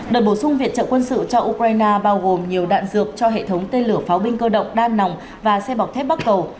đợt bổ sung viện trợ quân sự cho ukraine bao gồm nhiều đạn dược cho hệ thống tên lửa pháo binh cơ động đan nòng và xe bọc thép bắc cầu